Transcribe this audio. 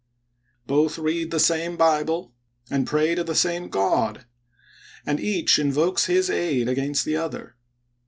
Both read the same Bible, and pray to the same God ; and each in vokes his aid against the other.